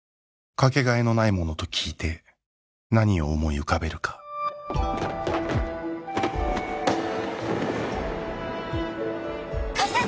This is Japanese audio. かけがえのないものと聞いて何を思い浮かべるか加瀬さん！